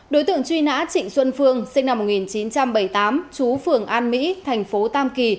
đối tượng truy nã trịnh xuân phương sinh năm một nghìn chín trăm bảy mươi tám chú phường an mỹ thành phố tam kỳ